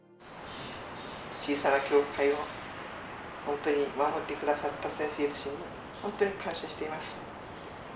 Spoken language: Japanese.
小さな教会をほんとに守って下さった先生たちにほんとに感謝しています。